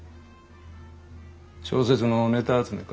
小説のネタ集めか？